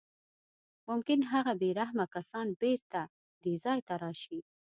ممکن هغه بې رحمه کسان بېرته دې ځای ته راشي